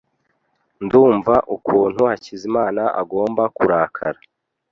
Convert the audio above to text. Ndumva ukuntu Hakizimana agomba kurakara.